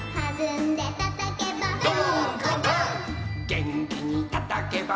「げんきにたたけば」